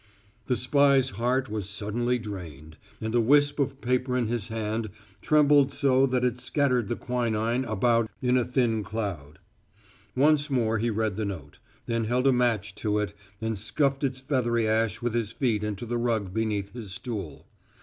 The spy's heart was suddenly drained, and the wisp of paper in his hand trembled so that it scattered the quinine about in a thin cloud. Once more he read the note, then held a match to it and scuffed its feathery ash with his feet into the rug beneath his stool.